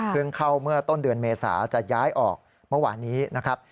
เข้าเมื่อต้นเดือนเมษาจะย้ายออกเมื่อวานนี้นะครับ